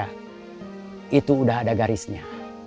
tapi saya percaya itu udah ada garisnya